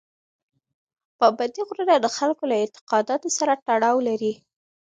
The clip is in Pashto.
پابندي غرونه د خلکو له اعتقاداتو سره تړاو لري.